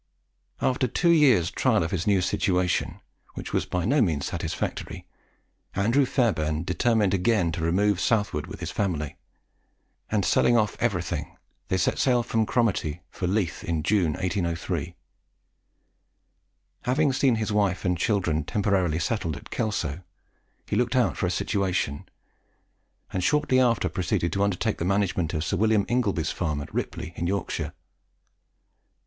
After two years' trial of his new situation, which was by no means satisfactory, Andrew Fairbairn determined again to remove southward with his family; and, selling off everything, they set sail from Cromarty for Leith in June, 1803. Having seen his wife and children temporarily settled at Kelso, he looked out for a situation, and shortly after proceeded to undertake the management of Sir William Ingleby's farm at Ripley in Yorkshire.